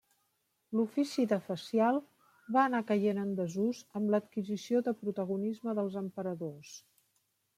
L'ofici de fecial va anar caient en desús amb l'adquisició de protagonisme dels emperadors.